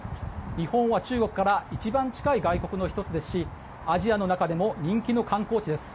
日本は中国から一番近い外国の１つですしアジアの中でも人気の観光地です。